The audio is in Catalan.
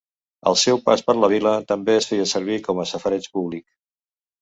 Al seu pas per la vila també es feia servir com a safareig públic.